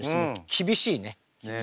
厳しいね。